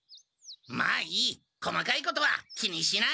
まあいい細かいことは気にしない。